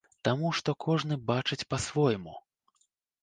Таму што кожны бачыць па-свойму.